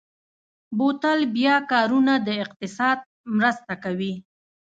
بوتل بیا کارونه د اقتصاد مرسته کوي.